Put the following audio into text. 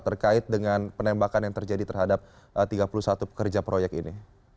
terkait dengan penembakan yang terjadi terhadap tiga puluh satu pekerja proyek ini